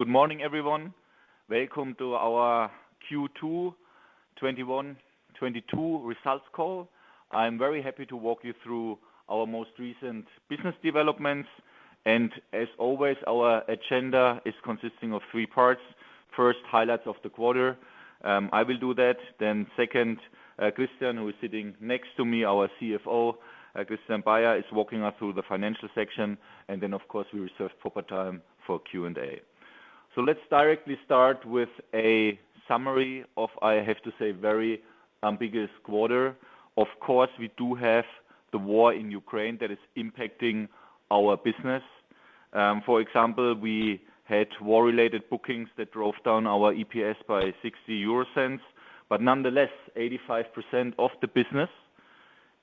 Good morning, everyone. Welcome to our Q2 21/22 results call. I'm very happy to walk you through our most recent business developments. As always, our agenda is consisting of three parts. First, highlights of the quarter. I will do that. Second, Christian, who is sitting next to me, our CFO, Christian Baier, is walking us through the financial section. Of course, we reserve proper time for Q&A. Let's directly start with a summary of, I have to say, very ambiguous quarter. Of course, we do have the war in Ukraine that is impacting our business. For example, we had war-related bookings that drove down our EPS by 0.60. Nonetheless, 85% of the business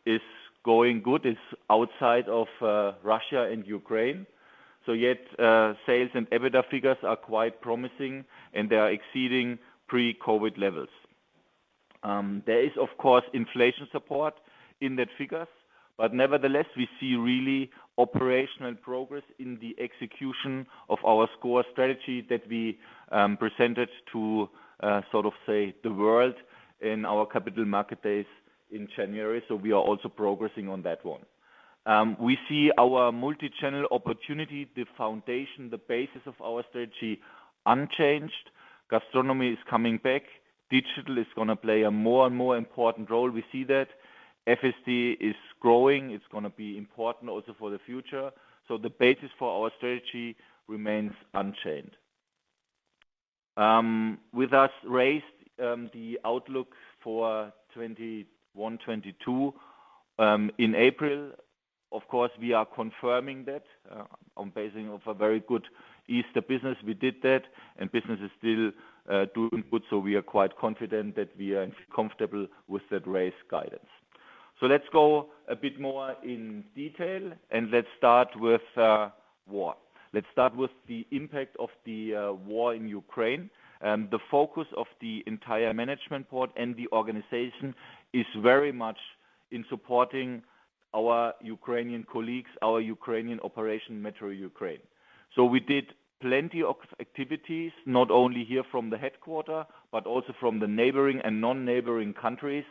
is going good. It's outside of Russia and Ukraine. Yes, sales and EBITDA figures are quite promising, and they are exceeding pre-COVID levels. There is, of course, inflation support in those figures, but nevertheless, we see really operational progress in the execution of our sCore strategy that we presented to sort of, say, the world in our Capital Markets Day in January. We are also progressing on that one. We see our multichannel opportunity, the foundation, the basis of our strategy unchanged. Gastronomy is coming back. Digital is gonna play a more and more important role. We see that. FSD is growing. It's gonna be important also for the future. The basis for our strategy remains unchanged. We raised the outlook for 2021-2022 in April, of course, we are confirming that on basis of a very good Easter business, we did that, and business is still doing good, so we are quite confident that we are comfortable with that raised guidance. Let's go a bit more in detail, and let's start with war. Let's start with the impact of the war in Ukraine. The focus of the entire management board and the organization is very much in supporting our Ukrainian colleagues, our Ukrainian operation, Metro Ukraine. We did plenty of activities, not only here from the headquarters, but also from the neighboring and non-neighboring countries.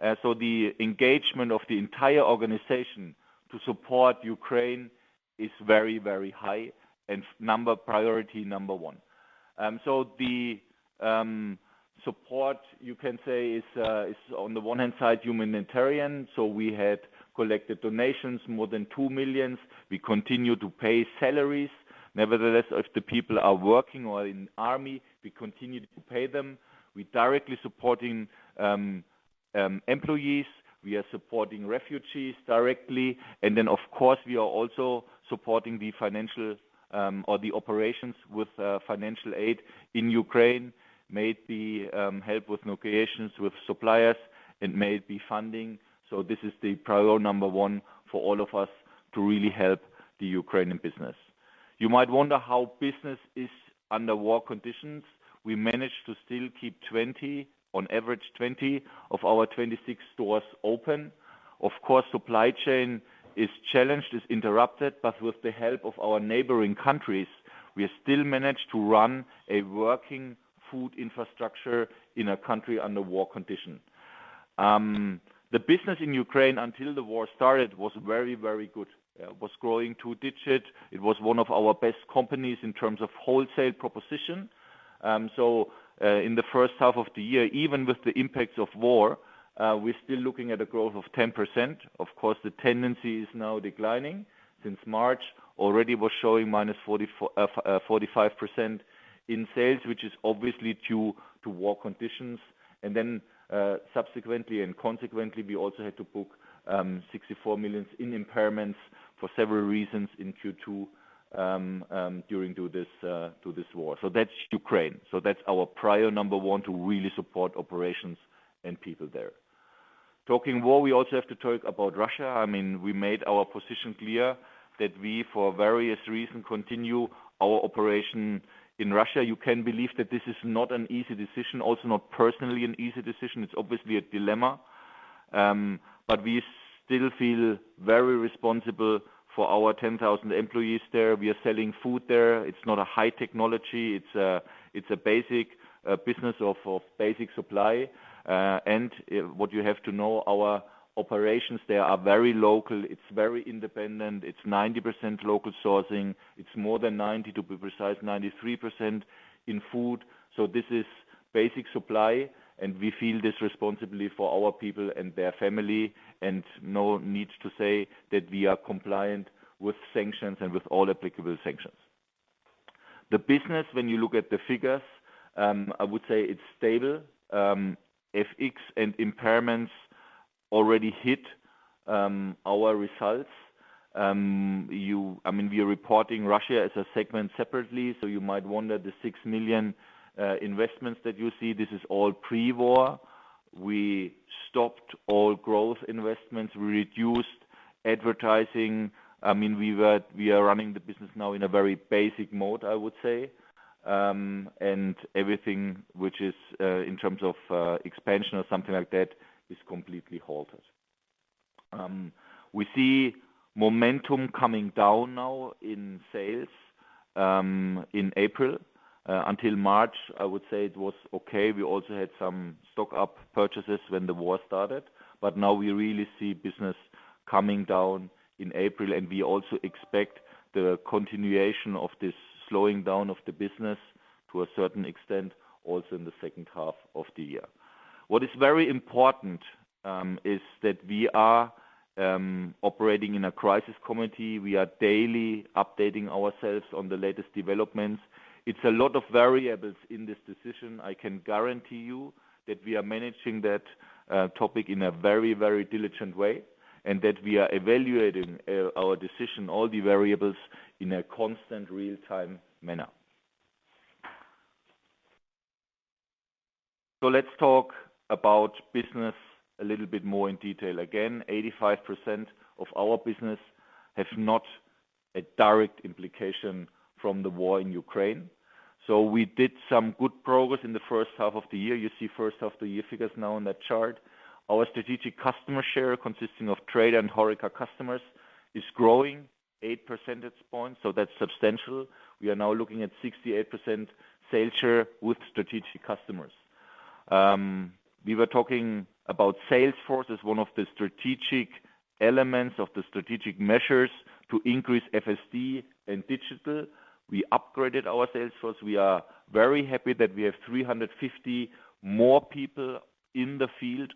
The engagement of the entire organization to support Ukraine is very, very high and priority number one. The support, you can say, is on the one hand side, humanitarian. We had collected donations, more than 2 million. We continue to pay salaries. Nevertheless, if the people are working or in army, we continue to pay them. We're directly supporting employees. We are supporting refugees directly. Of course, we are also supporting the financial, or the operations with financial aid in Ukraine. It may be help with negotiations with suppliers. It may be funding. This is the priority number one for all of us to really help the Ukrainian business. You might wonder how business is under war conditions. We managed to still keep, on average 20 of our 26 stores open. Of course, supply chain is challenged, is interrupted, but with the help of our neighboring countries, we still manage to run a working food infrastructure in a country under war condition. The business in Ukraine until the war started was very, very good, growing two-digit. It was one of our best companies in terms of wholesale proposition. In the first half of the year, even with the impacts of war, we're still looking at a growth of 10%. Of course, the tendency is now declining since March already was showing -44-45% in sales, which is obviously due to war conditions. Subsequently and consequently, we also had to book 64 million in impairments for several reasons in Q2 due to this war. That's Ukraine. That's our priority number one to really support operations and people there. Talking war, we also have to talk about Russia. I mean, we made our position clear that we, for various reasons, continue our operation in Russia. You can believe that this is not an easy decision, also not personally an easy decision. It's obviously a dilemma, but we still feel very responsible for our 10,000 employees there. We are selling food there. It's not a high technology. It's a basic business of basic supply and what you have to know, our operations there are very local. It's very independent. It's 90% local sourcing. It's more than 90, to be precise, 93% in food. This is basic supply, and we feel this responsibility for our people and their family, and no need to say that we are compliant with sanctions and with all applicable sanctions. The business, when you look at the figures, I would say it's stable. FX and impairments already hit our results. I mean, we are reporting Russia as a segment separately, so you might wonder the 6 million investments that you see. This is all pre-war. We stopped all growth investments. We reduced advertising. I mean, we are running the business now in a very basic mode, I would say. Everything which is in terms of expansion or something like that is completely halted. We see momentum coming down now in sales in April. Until March, I would say it was okay. We also had some stock-up purchases when the war started. Now we really see business coming down in April, and we also expect the continuation of this slowing down of the business to a certain extent, also in the second half of the year. What is very important is that we are operating in a crisis committee. We are daily updating ourselves on the latest developments. It's a lot of variables in this decision. I can guarantee you that we are managing that topic in a very, very diligent way, and that we are evaluating our decision, all the variables in a constant real-time manner. Let's talk about business a little bit more in detail. Again, 85% of our business have not a direct implication from the war in Ukraine. We did some good progress in the first half of the year. You see first half the year figures now on that chart. Our strategic customer share, consisting of trade and HoReCa customers, is growing 8 percentage points, so that's substantial. We are now looking at 68% sales share with strategic customers. We were talking about sales force as one of the strategic elements of the strategic measures to increase FSD and digital. We upgraded our sales force. We are very happy that we have 350 more people in the field,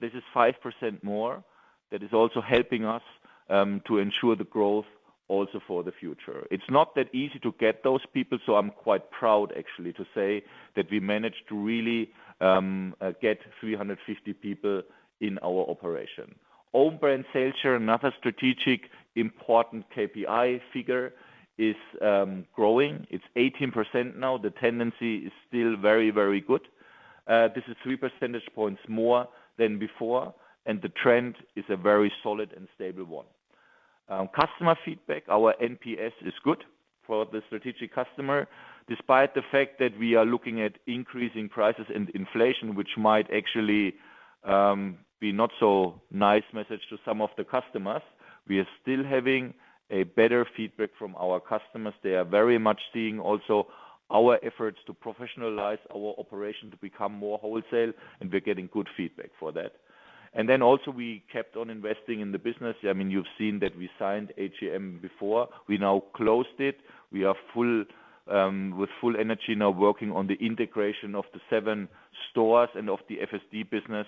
this is 5% more, that is also helping us to ensure the growth also for the future. It's not that easy to get those people, so I'm quite proud actually to say that we managed to really get 350 people in our operation. Own-brand sales share, another strategically important KPI figure is growing. It's 18% now. The tendency is still very, very good. This is three percentage points more than before, and the trend is a very solid and stable one. Customer feedback. Our NPS is good for the strategic customer. Despite the fact that we are looking at increasing prices and inflation, which might actually be not so nice message to some of the customers, we are still having a better feedback from our customers. They are very much seeing also our efforts to professionalize our operation to become more wholesale, and we're getting good feedback for that. We kept on investing in the business. I mean, you've seen that we signed AGM before. We now closed it. We are full with full energy now working on the integration of the 7 stores and of the FSD business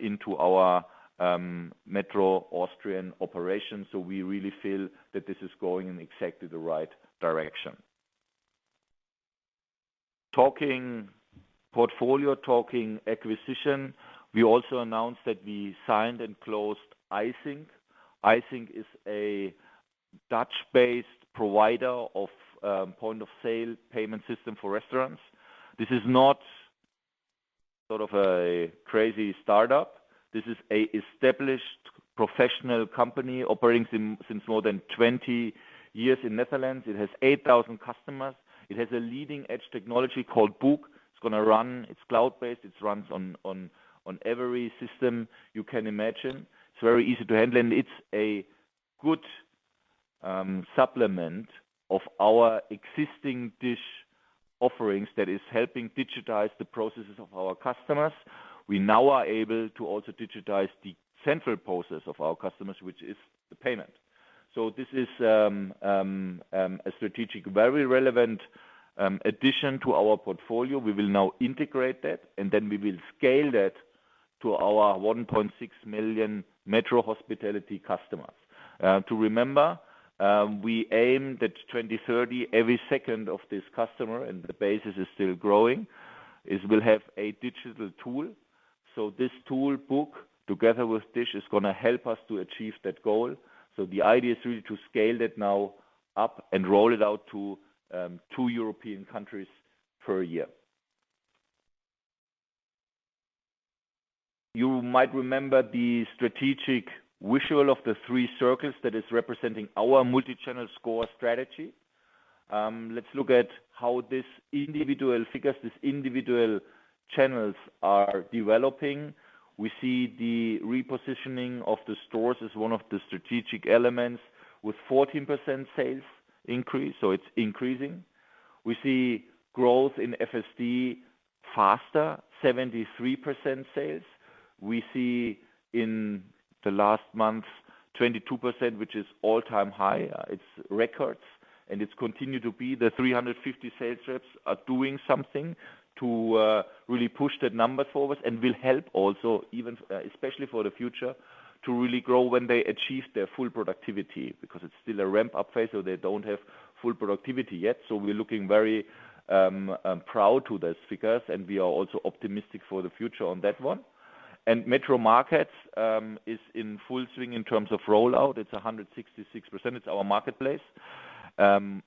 into our METRO Austrian operation. We really feel that this is going in exactly the right direction. Talking portfolio, talking acquisition, we also announced that we signed and closed Eijsink. Eijsink is a Dutch-based provider of point-of-sale payment system for restaurants. This is not sort of a crazy startup. This is a established professional company operating since more than 20 years in Netherlands. It has 8,000 customers. It has a leading-edge technology called booq. It's cloud-based. It runs on every system you can imagine. It's very easy to handle, and it's a good supplement of our existing DISH offerings that is helping digitize the processes of our customers. We now are able to also digitize the central process of our customers, which is the payment. This is a strategic, very relevant addition to our portfolio. We will now integrate that, and then we will scale that to our 1.6 million METRO hospitality customers. To remember, we aim that 2030, every second customer, and the base is still growing, will have a digital tool. This tool, booq, together with DISH, is gonna help us to achieve that goal. The idea is really to scale that now up and roll it out to 2 European countries per year. You might remember the strategic visual of the three circles that is representing our multichannel sCore strategy. Let's look at how these individual figures, these individual channels are developing. We see the repositioning of the stores as one of the strategic elements with 14% sales increase, so it's increasing. We see growth in FSD faster, 73% sales. We see in the last month, 22%, which is all-time high. It's records, and it's continued to be. The 350 sales reps are doing something to really push the numbers forward and will help also even especially for the future, to really grow when they achieve their full productivity because it's still a ramp-up phase, so they don't have full productivity yet. We're looking very proud to those figures, and we are also optimistic for the future on that one. METRO MARKETS is in full swing in terms of rollout. It's 166%. It's our marketplace,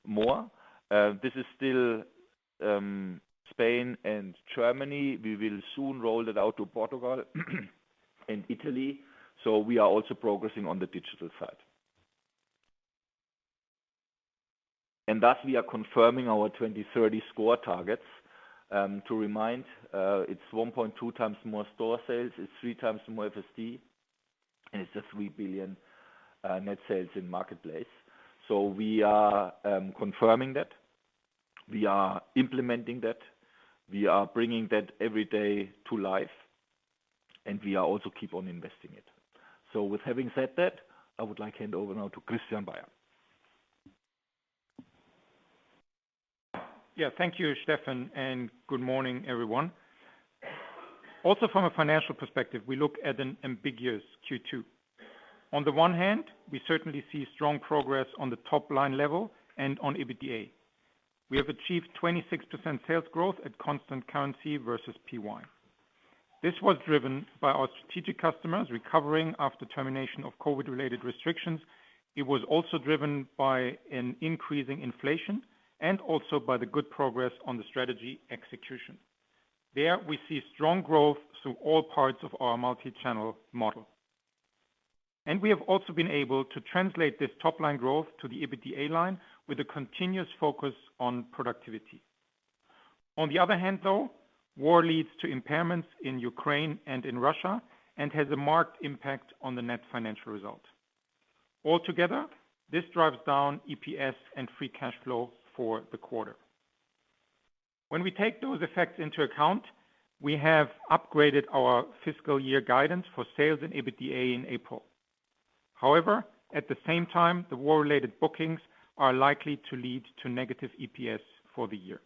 more. This is still Spain and Germany. We will soon roll it out to Portugal and Italy. We are also progressing on the digital side. Thus, we are confirming our 2030 sCore targets. To remind, it's 1.2 times more store sales, it's 3 times more FSD, and it's 3 billion net sales in METRO MARKETS. We are confirming that, we are implementing that, we are bringing that every day to life, and we are also keep on investing it. With having said that, I would like hand over now to Christian Baier. Yeah. Thank you, Steffen, and good morning, everyone. Also from a financial perspective, we look at an ambiguous Q2. On the one hand, we certainly see strong progress on the top-line level and on EBITDA. We have achieved 26% sales growth at constant currency versus PY. This was driven by our strategic customers recovering after termination of COVID-related restrictions. It was also driven by an increasing inflation and also by the good progress on the strategy execution. There we see strong growth through all parts of our multichannel model. We have also been able to translate this top-line growth to the EBITDA line with a continuous focus on productivity. On the other hand, though, war leads to impairments in Ukraine and in Russia and has a marked impact on the net financial result. Altogether, this drives down EPS and free cash flow for the quarter. When we take those effects into account, we have upgraded our fiscal year guidance for sales and EBITDA in April. However, at the same time, the war-related bookings are likely to lead to negative EPS for the year.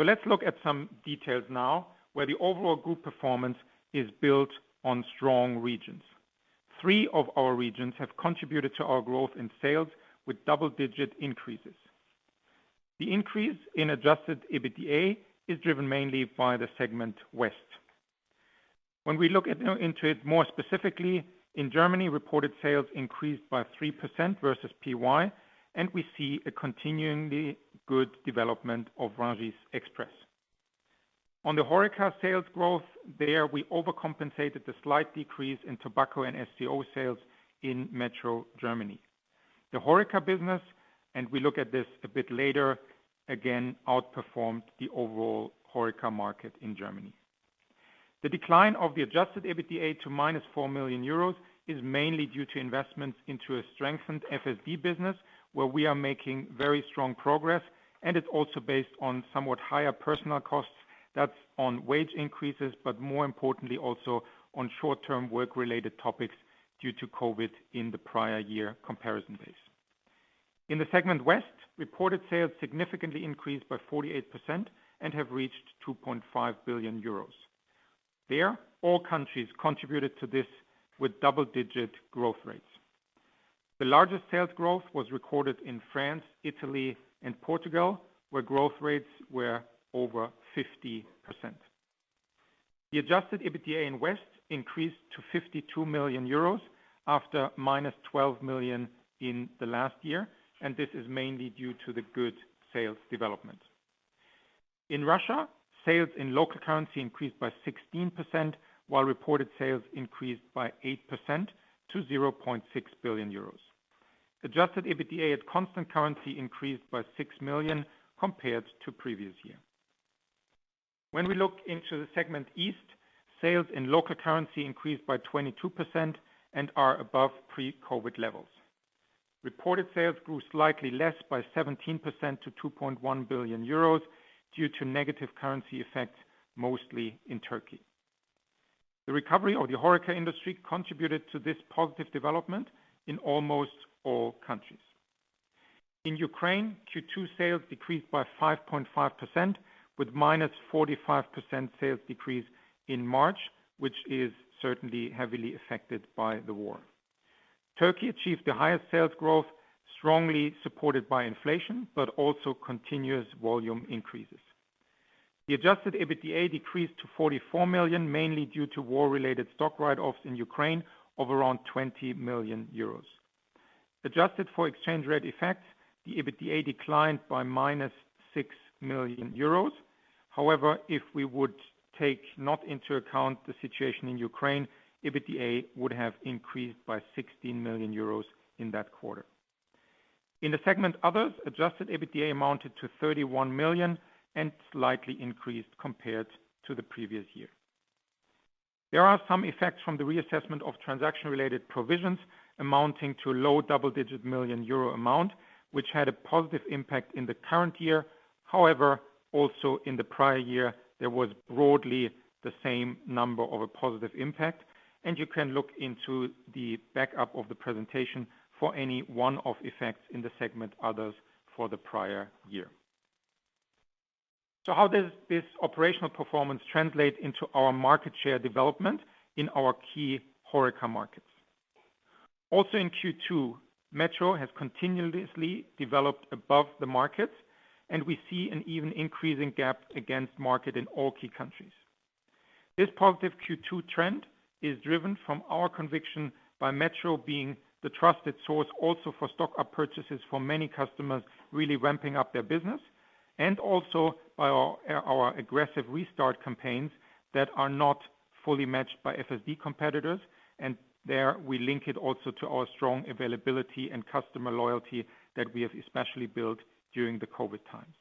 Let's look at some details now where the overall group performance is built on strong regions. Three of our regions have contributed to our growth in sales with double-digit increases. The increase in adjusted EBITDA is driven mainly by the segment West. When we look into it more specifically, in Germany, reported sales increased by 3% versus PY, and we see a continuing good development of Rungis Express. On the HoReCa sales growth, there we overcompensated the slight decrease in tobacco and SCO sales in Metro Germany. The HoReCa business, and we look at this a bit later, again, outperformed the overall HoReCa market in Germany. The decline of the adjusted EBITDA to -4 million euros is mainly due to investments into a strengthened FSD business where we are making very strong progress, and it's also based on somewhat higher personnel costs that's on wage increases, but more importantly also on short-term work-related topics due to COVID in the prior year comparison base. In the segment West, reported sales significantly increased by 48% and have reached 2.5 billion euros. There, all countries contributed to this with double-digit growth rates. The largest sales growth was recorded in France, Italy, and Portugal, where growth rates were over 50%. The adjusted EBITDA in West increased to 52 million euros after -12 million in the last year, and this is mainly due to the good sales development. In Russia, sales in local currency increased by 16%, while reported sales increased by 8% to 0.6 billion euros. Adjusted EBITDA at constant currency increased by 6 million compared to previous year. When we look into the segment East, sales in local currency increased by 22% and are above pre-COVID levels. Reported sales grew slightly less by 17% to 2.1 billion euros due to negative currency effects, mostly in Turkey. The recovery of the HoReCa industry contributed to this positive development in almost all countries. In Ukraine, Q2 sales decreased by 5.5% with -45% sales decrease in March, which is certainly heavily affected by the war. Turkey achieved the highest sales growth, strongly supported by inflation, but also continuous volume increases. The adjusted EBITDA decreased to 44 million, mainly due to war-related stock write-offs in Ukraine of around 20 million euros. Adjusted for exchange rate effects, the EBITDA declined by -6 million euros. However, if we would take not into account the situation in Ukraine, EBITDA would have increased by 16 million euros in that quarter. In the segment Others, adjusted EBITDA amounted to 31 million and slightly increased compared to the previous year. There are some effects from the reassessment of transaction-related provisions amounting to a low double-digit million EUR amount, which had a positive impact in the current year. However, also in the prior year, there was broadly the same number of a positive impact, and you can look into the backup of the presentation for any one-off effects in the segment Others for the prior year. How does this operational performance translate into our market share development in our key HoReCa markets? Also in Q2, Metro has continuously developed above the market, and we see an even increasing gap against market in all key countries. This positive Q2 trend is driven by our conviction that Metro being the trusted source also for stock-up purchases for many customers really ramping up their business. Also by our aggressive restart campaigns that are not fully matched by FSD competitors. There we link it also to our strong availability and customer loyalty that we have especially built during the COVID times.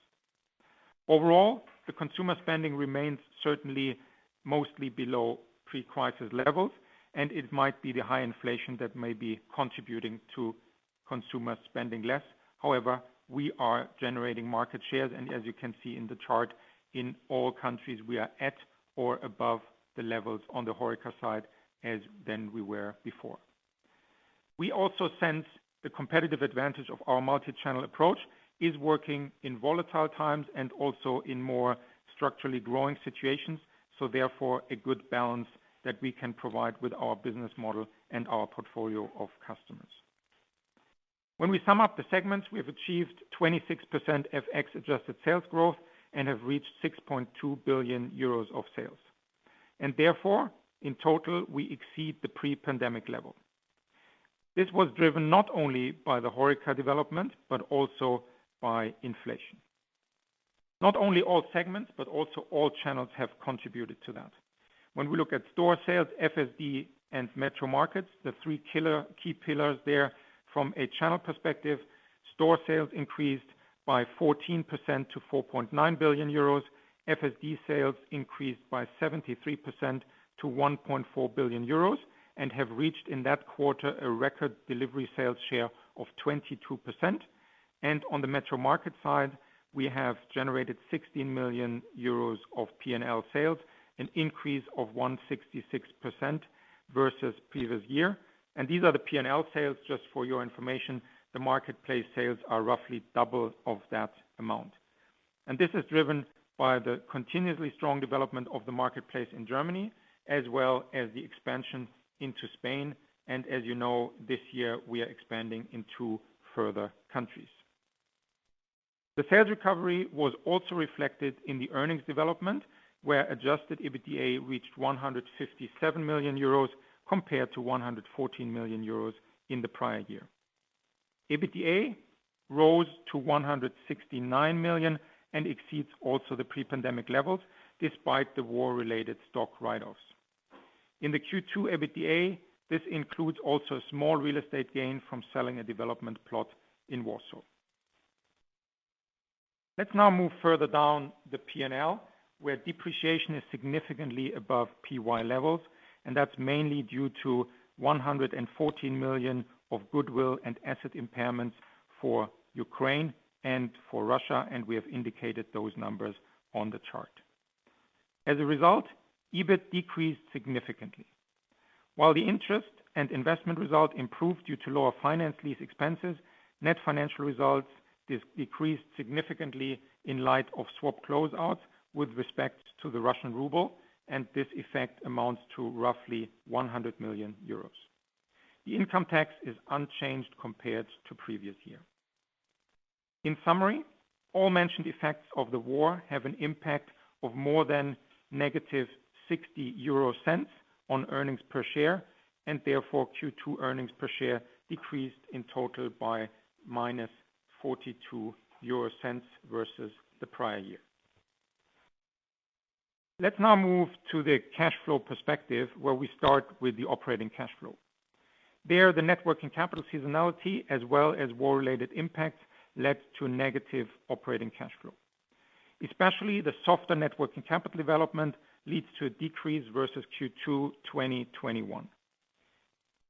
Overall, the consumer spending remains certainly mostly below pre-crisis levels, and it might be the high inflation that may be contributing to consumers spending less. However, we are generating market shares and as you can see in the chart, in all countries, we are at or above the levels on the HoReCa side than we were before. We also sense the competitive advantage of our multi-channel approach is working in volatile times and also in more structurally growing situations. Therefore, a good balance that we can provide with our business model and our portfolio of customers. When we sum up the segments, we have achieved 26% FX-adjusted sales growth and have reached 6.2 billion euros of sales. Therefore, in total we exceed the pre-pandemic level. This was driven not only by the HoReCa development, but also by inflation. Not only all segments, but also all channels have contributed to that. When we look at store sales, FSD and METRO MARKETS, the three key pillars there from a channel perspective, store sales increased by 14% to 4.9 billion euros. FSD sales increased by 73% to 1.4 billion euros and have reached in that quarter a record delivery sales share of 22%. On the METRO MARKETS side, we have generated 16 million euros of P&L sales, an increase of 166% versus previous year. These are the P&L sales just for your information, the marketplace sales are roughly double of that amount. This is driven by the continuously strong development of the marketplace in Germany as well as the expansion into Spain. As you know, this year we are expanding in two further countries. The sales recovery was also reflected in the earnings development, where adjusted EBITDA reached 157 million euros compared to 114 million euros in the prior year. EBITDA rose to 169 million and exceeds also the pre-pandemic levels despite the war-related stock write-offs. In the Q2 EBITDA, this includes also a small real estate gain from selling a development plot in Warsaw. Let's now move further down the P&L, where depreciation is significantly above PY levels, and that's mainly due to 114 million of goodwill and asset impairments for Ukraine and for Russia, and we have indicated those numbers on the chart. As a result, EBIT decreased significantly. While the interest and investment result improved due to lower finance lease expenses, net financial results decreased significantly in light of swap closeouts with respect to the Russian ruble, and this effect amounts to roughly 100 million euros. The income tax is unchanged compared to previous year. In summary, all mentioned effects of the war have an impact of more than -0.60 on earnings per share, and therefore, Q2 earnings per share decreased in total by -0.42 versus the prior year. Let's now move to the cash flow perspective, where we start with the operating cash flow. There, the net working capital seasonality as well as war-related impacts led to negative operating cash flow. Especially the softer net working capital development leads to a decrease versus Q2 2021.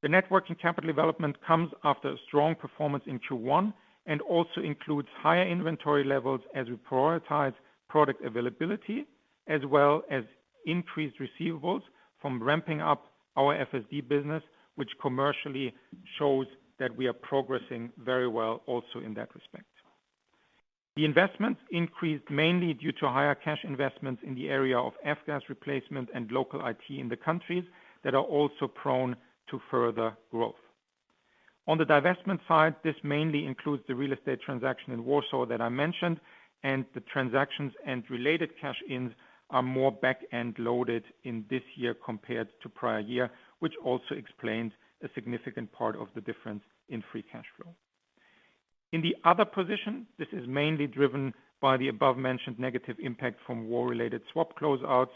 The net working capital development comes after a strong performance in Q1 and also includes higher inventory levels as we prioritize product availability as well as increased receivables from ramping up our FSD business, which commercially shows that we are progressing very well also in that respect. The investments increased mainly due to higher cash investments in the area of F-gas replacement and local IT in the countries that are also prone to further growth. On the divestment side, this mainly includes the real estate transaction in Warsaw that I mentioned, and the transactions and related cash ins are more back-end loaded in this year compared to prior year, which also explains a significant part of the difference in free cash flow. In the other position, this is mainly driven by the above-mentioned negative impact from war-related swap closeouts.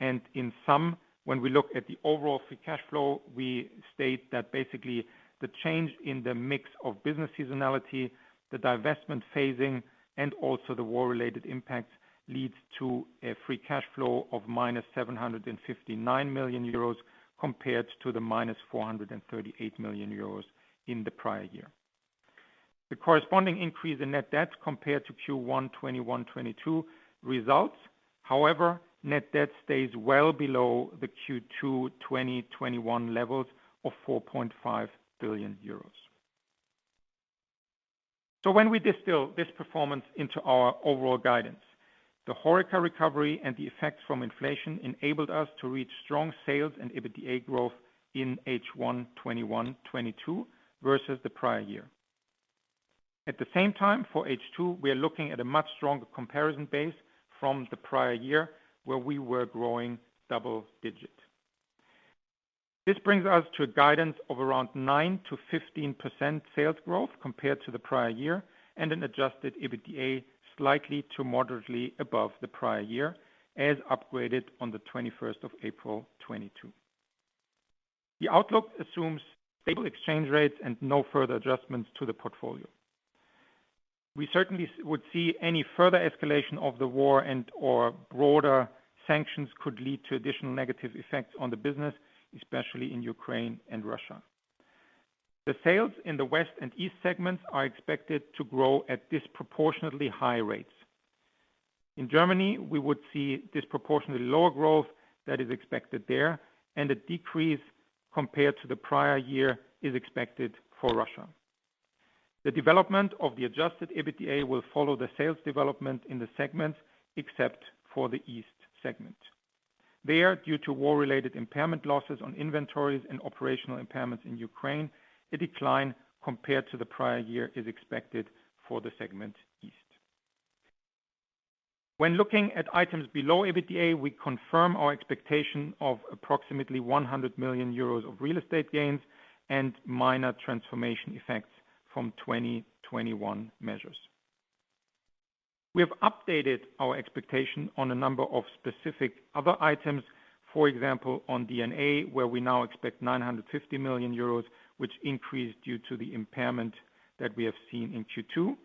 In sum, when we look at the overall free cash flow, we state that basically the change in the mix of business seasonality, the divestment phasing, and also the war-related impacts leads to a free cash flow of -759 million euros compared to the -438 million euros in the prior year. The corresponding increase in net debt compared to Q1 2021/22 results. However, net debt stays well below the Q2 2021 levels of 4.5 billion euros. When we distill this performance into our overall guidance, the HoReCa recovery and the effects from inflation enabled us to reach strong sales and EBITDA growth in H1 2021/22 versus the prior year. At the same time, for H2, we are looking at a much stronger comparison base from the prior year where we were growing double digits. This brings us to a guidance of around 9%-15% sales growth compared to the prior year, and an adjusted EBITDA slightly to moderately above the prior year, as upgraded on the 21st of April 2022. The outlook assumes stable exchange rates and no further adjustments to the portfolio. We certainly would see any further escalation of the war and/or broader sanctions could lead to additional negative effects on the business, especially in Ukraine and Russia. The sales in the West and East segments are expected to grow at disproportionately high rates. In Germany, we would see disproportionately lower growth that is expected there, and a decrease compared to the prior year is expected for Russia. The development of the adjusted EBITDA will follow the sales development in the segments, except for the East segment. There, due to war-related impairment losses on inventories and operational impairments in Ukraine, a decline compared to the prior year is expected for the segment East. When looking at items below EBITDA, we confirm our expectation of approximately 100 million euros of real estate gains and minor transformation effects from 2021 measures. We have updated our expectation on a number of specific other items, for example, on D&A, where we now expect 950 million euros, which increased due to the impairment that we have seen in Q2.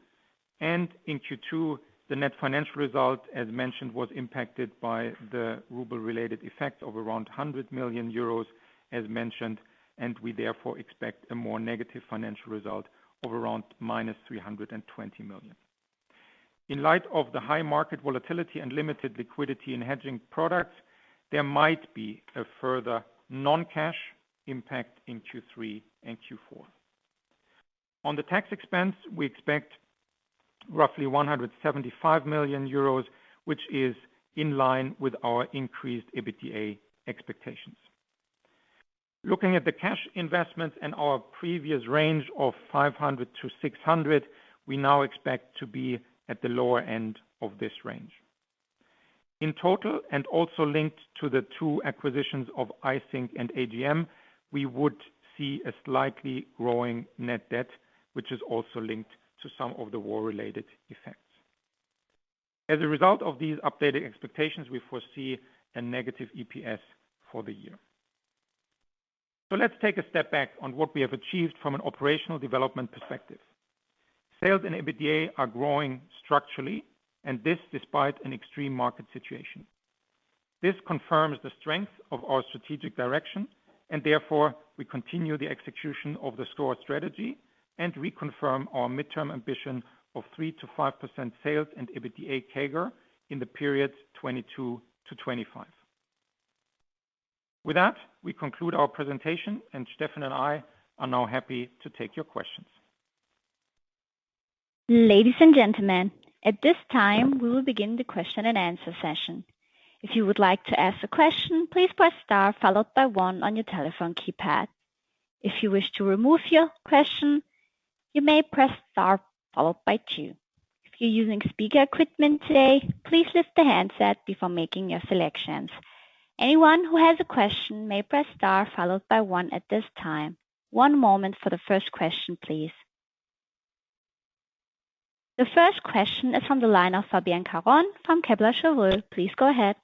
In Q2, the net financial result, as mentioned, was impacted by the ruble-related effect of around 100 million euros, as mentioned, and we therefore expect a more negative financial result of around -320 million. In light of the high market volatility and limited liquidity in hedging products, there might be a further non-cash impact in Q3 and Q4. On the tax expense, we expect roughly 175 million euros, which is in line with our increased EBITDA expectations. Looking at the cash investments and our previous range of 500 million-600 million, we now expect to be at the lower end of this range. In total, and also linked to the two acquisitions of Eijsink and AGM, we would see a slightly growing net debt, which is also linked to some of the war-related effects. As a result of these updated expectations, we foresee a negative EPS for the year. Let's take a step back on what we have achieved from an operational development perspective. Sales and EBITDA are growing structurally, and this despite an extreme market situation. This confirms the strength of our strategic direction, and therefore, we continue the execution of the sCore strategy and reconfirm our midterm ambition of 3%-5% sales and EBITDA CAGR in the period 2022-2025. With that, we conclude our presentation, and Steffen and I are now happy to take your questions. Ladies and gentlemen, at this time, we will begin the question and answer session. If you would like to ask a question, please press star followed by one on your telephone keypad. If you wish to remove your question, you may press star followed by two. If you're using speaker equipment today, please lift the handset before making your selections. Anyone who has a question may press star followed by one at this time. One moment for the first question, please. The first question is on the line of Fabienne Caron from Kepler Cheuvreux. Please go ahead.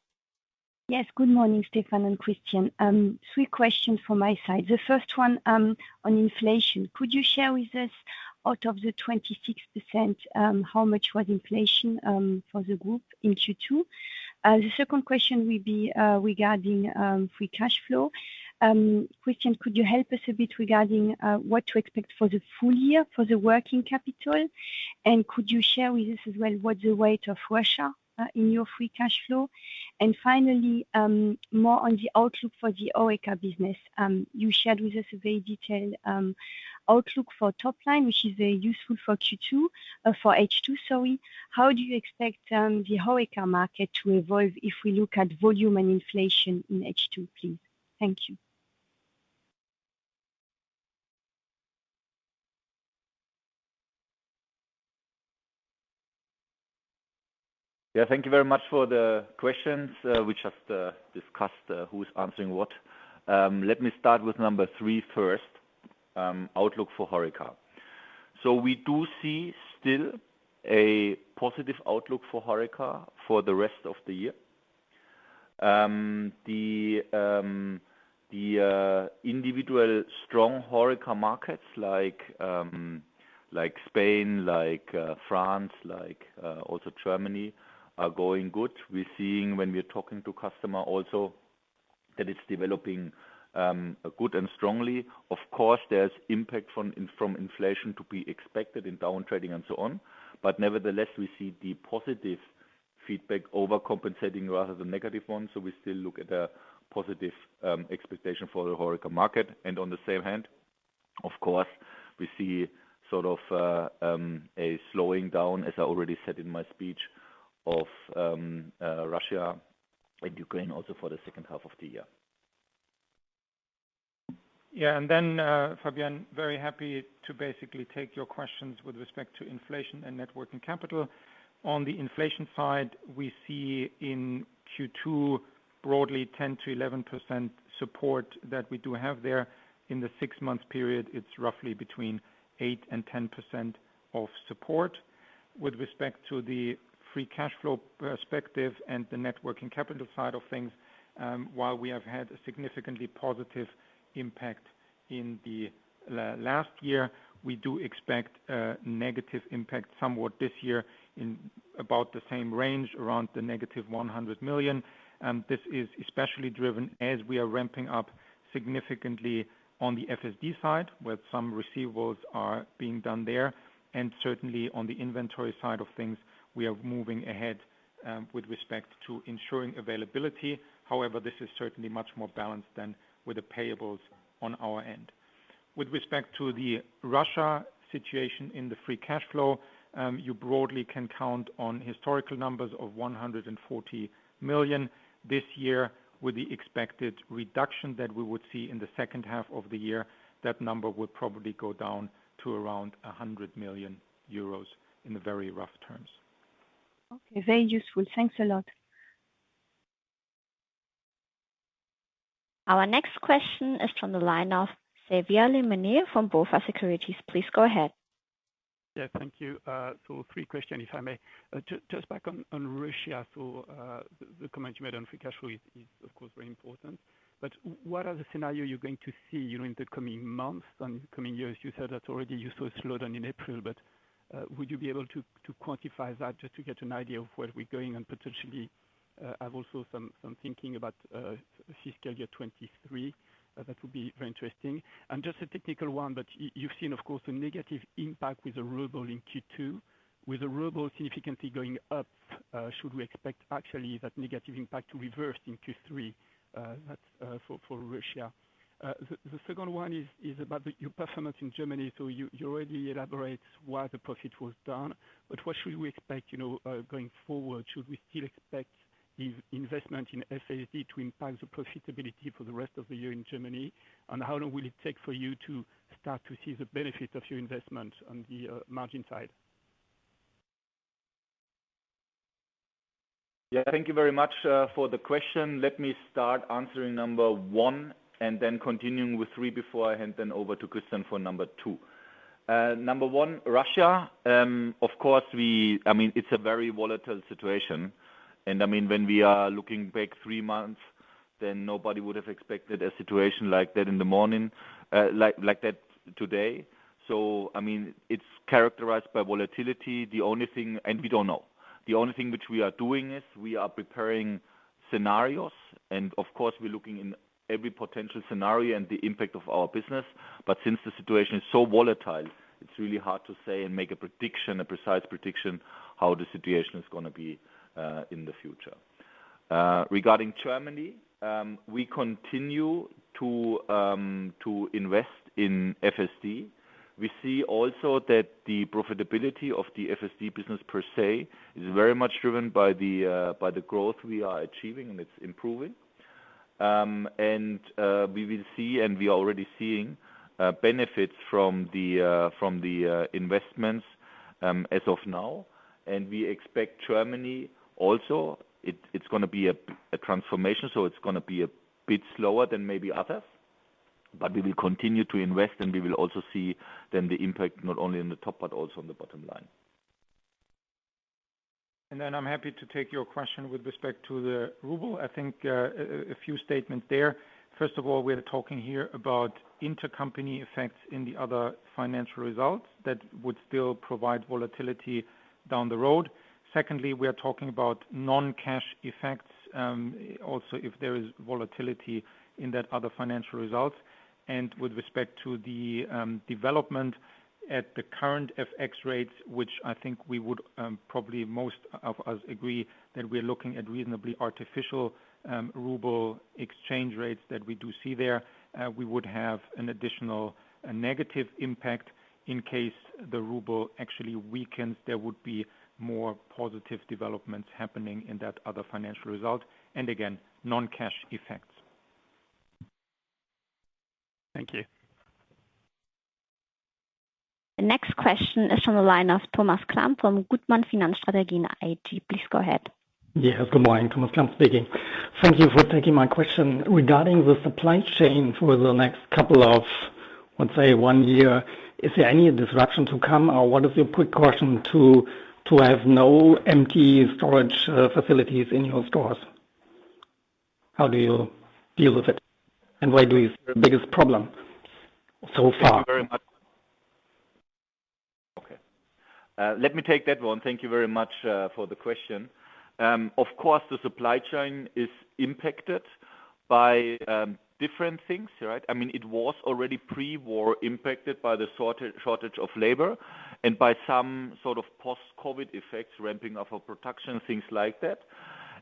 Yes. Good morning, Steffen and Christian. Three questions from my side. The first one, on inflation. Could you share with us, out of the 26%, how much was inflation, for the group in Q2? The second question will be, regarding, free cash flow. Christian, could you help us a bit regarding, what to expect for the full year for the working capital, and could you share with us as well what the weight of Russia, in your free cash flow? Finally, more on the outlook for the HoReCa business. You shared with us a very detailed, outlook for top line, which is very useful for H2, sorry. How do you expect, the HoReCa market to evolve if we look at volume and inflation in H2, please? Thank you. Yeah, thank you very much for the questions. We just discussed who's answering what. Let me start with number three first, outlook for HoReCa. We do see still a positive outlook for HoReCa for the rest of the year. The individual strong HoReCa markets like Spain, like France, like also Germany are going good. We're seeing when we're talking to customer also that it's developing good and strongly. Of course, there's impact from from inflation to be expected in down trading and so on. Nevertheless, we see the positive feedback overcompensating rather than negative ones, so we still look at a positive expectation for the HoReCa market. On the other hand, of course, we see sort of a slowing down, as I already said in my speech, of Russia and Ukraine also for the second half of the year. Yeah, Fabienne, very happy to basically take your questions with respect to inflation and net working capital. On the inflation side, we see in Q2 broadly 10%-11% support that we do have there. In the six-month period, it's roughly between 8%-10% of support. With respect to the free cash flow perspective and the net working capital side of things, while we have had a significantly positive impact in the last year, we do expect a negative impact somewhat this year in about the same range, around negative 100 million. This is especially driven as we are ramping up significantly on the FSD side, where some receivables are being done there. Certainly on the inventory side of things, we are moving ahead with respect to ensuring availability. However, this is certainly much more balanced than with the payables on our end. With respect to the Russia situation in the free cash flow, you broadly can count on historical numbers of 140 million this year. With the expected reduction that we would see in the second half of the year, that number would probably go down to around 100 million euros in very rough terms. Okay, very useful. Thanks a lot. Our next question is from the line of Xavier Le Mené from BofA Securities. Please go ahead. Yeah, thank you. Three questions, if I may. Just back on Russia. The comment you made on free cash flow is of course very important, but what are the scenarios you're going to see, you know, in the coming months and coming years? You said that already you saw a slowdown in April, but would you be able to quantify that just to get an idea of where we're going and potentially have also some thinking about fiscal year 2023. That would be very interesting. Just a technical one, but you've seen of course a negative impact with the ruble in Q2. With the ruble significantly going up, should we expect actually that negative impact to reverse in Q3? That's for Russia. The second one is about your performance in Germany. You already elaborate why the profit was down, but what should we expect, going forward? Should we still expect the investment in FSD to impact the profitability for the rest of the year in Germany? And how long will it take for you to start to see the benefit of your investment on the margin side? Yeah. Thank you very much for the question. Let me start answering number one and then continuing with three before I hand them over to Christian for number two. Number one, Russia. Of course, I mean, it's a very volatile situation and I mean, when we are looking back three months, then nobody would've expected a situation like that in the morning, like that today. I mean, it's characterized by volatility. We don't know. The only thing which we are doing is we are preparing scenarios and of course we are looking in every potential scenario and the impact of our business. Since the situation is so volatile, it's really hard to say and make a prediction, a precise prediction, how the situation is gonna be in the future. Regarding Germany, we continue to invest in FSD. We see also that the profitability of the FSD business per se is very much driven by the growth we are achieving and it's improving. We will see, and we are already seeing, benefits from the investments as of now. We expect Germany also, it's gonna be a transformation, so it's gonna be a bit slower than maybe others, but we will continue to invest and we will also see then the impact, not only on the top but also on the bottom line. I'm happy to take your question with respect to the ruble. I think a few statements there. First of all, we are talking here about intercompany effects in the other financial results that would still provide volatility down the road. Secondly, we are talking about non-cash effects, also if there is volatility in that other financial results. With respect to the development at the current FX rates, which I think we would probably most of us agree that we are looking at reasonably artificial ruble exchange rates that we do see there. We would have an additional negative impact in case the ruble actually weakens. There would be more positive developments happening in that other financial result, and again, non-cash effects. Thank you. The next question is from the line of Thomas Klump from Gutmann Finanz Strategien AG. Please go ahead. Yeah. Good morning, Thomas Klump speaking. Thank you for taking my question. Regarding the supply chain for the next couple of, let's say one year, is there any disruption to come or what is your precaution to have no empty storage facilities in your stores? How do you deal with it and what is your biggest problem so far? Thank you very much. Okay. Let me take that one. Thank you very much for the question. Of course, the supply chain is impacted by different things, right? I mean, it was already pre-war impacted by the shortage of labor and by some sort of post-COVID effects, ramping up of production, things like that.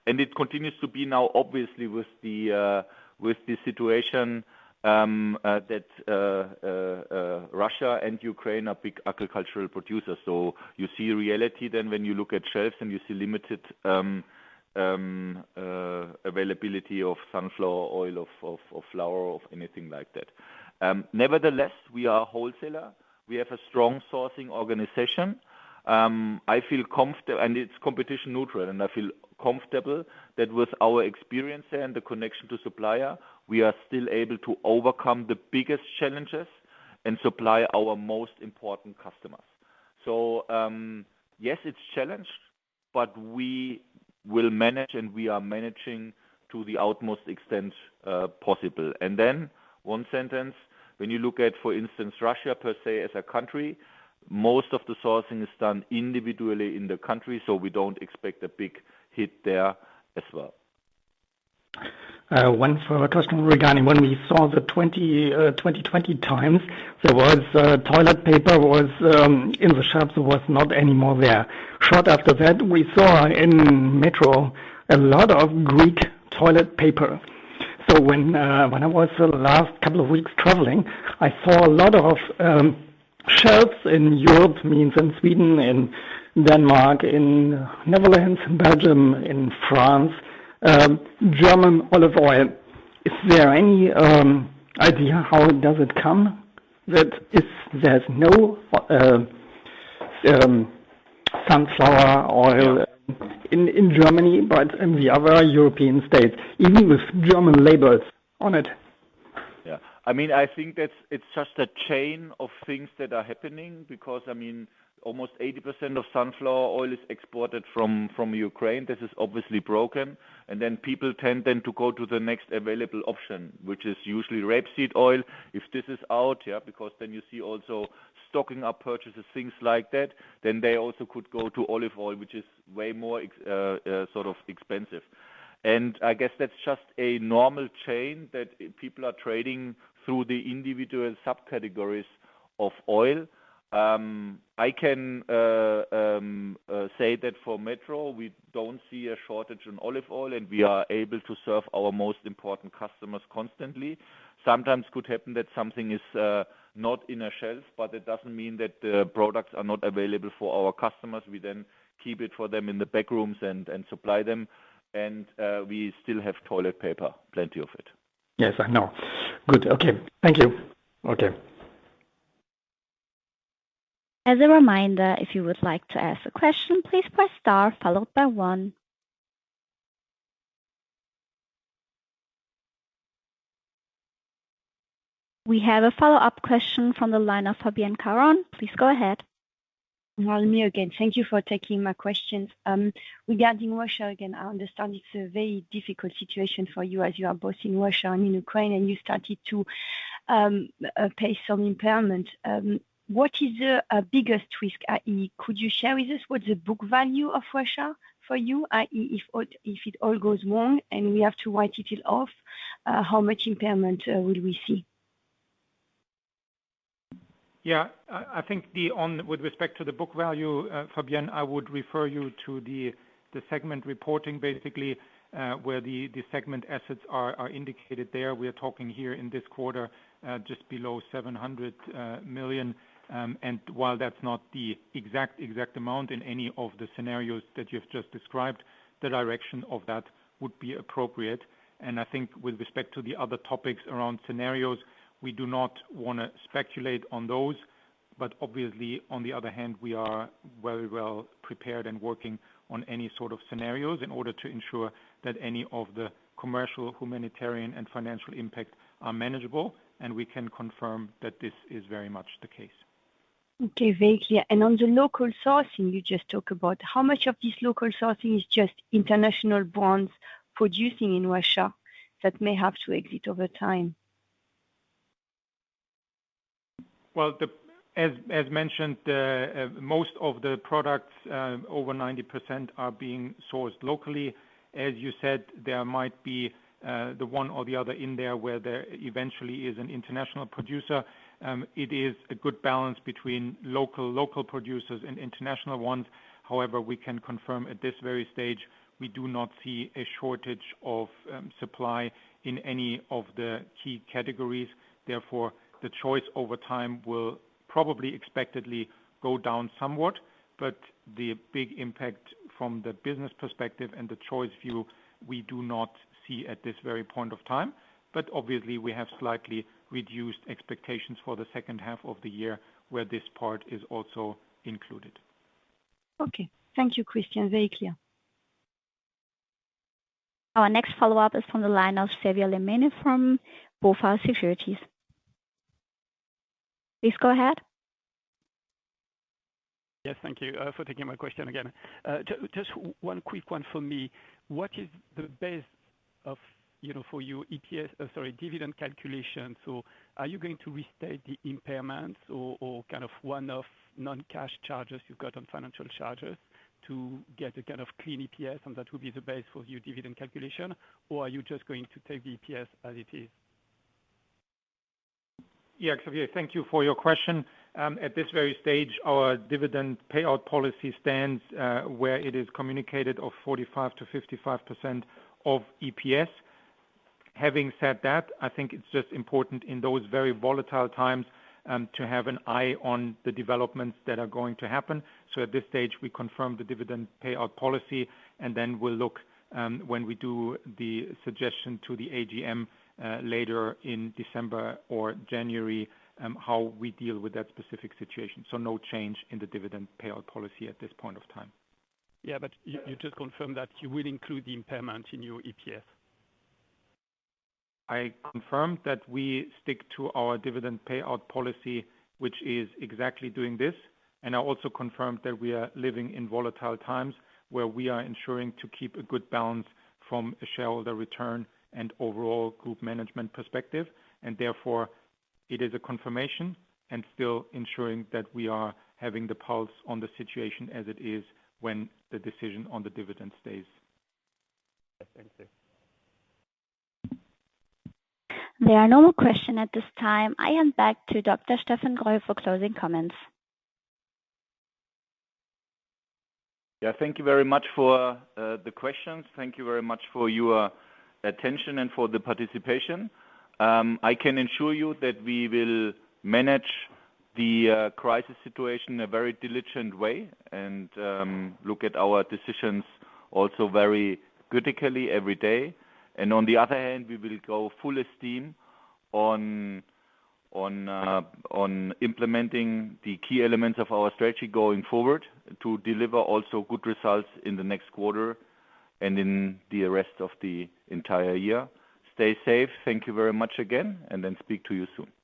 It continues to be now obviously with the situation that Russia and Ukraine are big agricultural producers. You see reality then when you look at shelves and you see limited availability of sunflower oil, of flour, of anything like that. Nevertheless, we are a wholesaler. We have a strong sourcing organization. It's competition neutral, and I feel comfortable that with our experience there and the connection to supplier, we are still able to overcome the biggest challenges and supply our most important customers. Yes, it's challenging, but we will manage, and we are managing to the utmost extent possible. Then one sentence, when you look at, for instance, Russia per se as a country, most of the sourcing is done individually in the country, so we don't expect a big hit there as well. One follow-up question regarding when we saw the 2020 times there was toilet paper in the shops was not anymore there. Shortly after that, we saw in METRO a lot of Greek toilet paper. When I was the last couple of weeks traveling, I saw a lot of shelves in Europe, means in Sweden and Denmark, in Netherlands, in Belgium, in France, German olive oil. Is there any idea how does it come that if there's no sunflower oil in Germany, but in the other European states, even with German labels on it? Yeah. I mean, I think that it's just a chain of things that are happening because, I mean, almost 80% of sunflower oil is exported from Ukraine. This is obviously broken. People tend to go to the next available option, which is usually rapeseed oil. If this is out, yeah, because then you see also stocking up purchases, things like that. They also could go to olive oil, which is way more expensive. I guess that's just a normal chain that people are trading through the individual subcategories of oil. I can say that for Metro, we don't see a shortage in olive oil, and we are able to serve our most important customers constantly. Sometimes could happen that something is not in a shelf, but it doesn't mean that the products are not available for our customers. We then keep it for them in the back rooms and supply them. We still have toilet paper, plenty of it. Yes, I know. Good. Okay. Thank you. Okay. As a reminder, if you would like to ask a question, please press star followed by one. We have a follow-up question from the line of Fabienne Caron. Please go ahead. Well, me again. Thank you for taking my questions. Regarding Russia again, I understand it's a very difficult situation for you as you are both in Russia and in Ukraine, and you started to take some impairment. What is the biggest risk, i.e., could you share with us what's the book value of Russia for you, i.e., if it all goes wrong and we have to write it off, how much impairment will we see? I think on with respect to the book value, Fabienne, I would refer you to the segment reporting basically, where the segment assets are indicated there. We're talking here in this quarter, just below 700 million. While that's not the exact amount in any of the scenarios that you've just described, the direction of that would be appropriate. I think with respect to the other topics around scenarios, we do not wanna speculate on those. Obviously, on the other hand, we are very well prepared and working on any sort of scenarios in order to ensure that any of the commercial, humanitarian, and financial impact are manageable, and we can confirm that this is very much the case. Okay, very clear. On the local sourcing you just talk about, how much of this local sourcing is just international brands producing in Russia that may have to exit over time? As mentioned, most of the products over 90% are being sourced locally. As you said, there might be the one or the other in there where there eventually is an international producer. It is a good balance between local producers and international ones. However, we can confirm at this very stage, we do not see a shortage of supply in any of the key categories. Therefore, the choice over time will probably expectedly go down somewhat, but the big impact from the business perspective and the choice view, we do not see at this very point of time. Obviously, we have slightly reduced expectations for the second half of the year where this part is also included. Okay. Thank you, Christian. Very clear. Our next follow-up is from the line of Xavier Le Mené from BofA Securities. Please go ahead. Yes. Thank you for taking my question again. Just one quick one for me. What is the base of, for your EPS, sorry, dividend calculation? Are you going to restate the impairments or kind of one-off non-cash charges you've got on financial charges to get a kind of clean EPS and that will be the base for your dividend calculation? Or are you just going to take the EPS as it is? Yeah. Xavier, thank you for your question. At this very stage, our dividend payout policy stands where it is communicated of 45%-55% of EPS. Having said that, I think it's just important in those very volatile times to have an eye on the developments that are going to happen. At this stage, we confirm the dividend payout policy, and then we'll look when we do the suggestion to the AGM later in December or January how we deal with that specific situation. No change in the dividend payout policy at this point of time. Yeah. You just confirmed that you will include the impairment in your EPS. I confirmed that we stick to our dividend payout policy, which is exactly doing this. I also confirmed that we are living in volatile times, where we are ensuring to keep a good balance from a shareholder return and overall group management perspective. Therefore, it is a confirmation and still ensuring that we are having the pulse on the situation as it is when the decision on the dividend stays. Yes, thank you. There are no more questions at this time. I hand back to Dr. Steffen Greubel for closing comments. Yeah. Thank you very much for the questions. Thank you very much for your attention and for the participation. I can assure you that we will manage the crisis situation in a very diligent way and look at our decisions also very critically every day. On the other hand, we will go full steam on implementing the key elements of our strategy going forward to deliver also good results in the next quarter and in the rest of the entire year. Stay safe. Thank you very much again, and then speak to you soon.